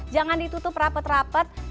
jangan ditutup rapet rapet